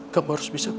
kamu harus bisa berhenti